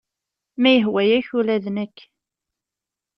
Ma yehwa-yak ula d nekk.